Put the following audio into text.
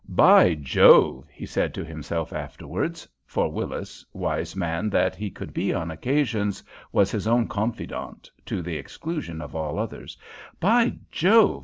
"By Jove!" he said to himself afterwards for Willis, wise man that he could be on occasions, was his own confidant, to the exclusion of all others "by Jove!